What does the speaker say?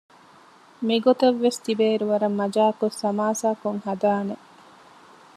މިގޮތަށްވެސް ތިބޭއިރު ވަރަށް މަޖާކޮށް ސަމާސާކޮށް ހަދާނެ